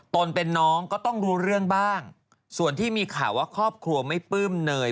เป็นน้องก็ต้องรู้เรื่องบ้างส่วนที่มีข่าวว่าครอบครัวไม่ปลื้มเนย